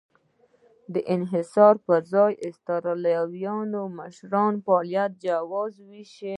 د انحصار پر ځای اسټرالیایي مشرانو فعالیت جواز وېشه.